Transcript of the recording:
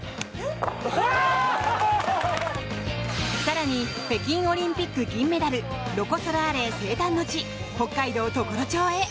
更に北京オリンピック銀メダルロコ・ソラーレ生誕の地北海道常呂町へ。